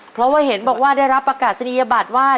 เพราะว่าเห็นบอกว่าได้รับประกาศนียบัตรว่า